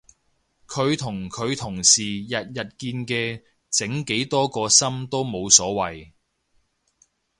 佢同佢同事日日見嘅整幾多個心都冇所謂